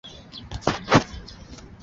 由南宁铁路局梧州车务段管辖。